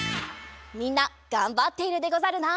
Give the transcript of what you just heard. みんながんばっているでござるな。